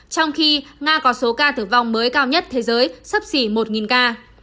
trong khi nga có số ca tử vong mới cao nhất thế giới sắp xỉ một ca